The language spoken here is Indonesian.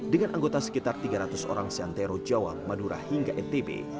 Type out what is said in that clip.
dengan anggota sekitar tiga ratus orang siantero jawa madura hingga ntb